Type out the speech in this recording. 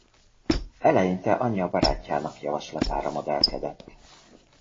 Eleinte anyja barátjának javaslatára modellkedett.